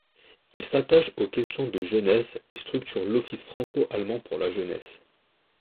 Il s'attache aux questions de jeunesse et structure l'office franco-allemand pour la jeunesse.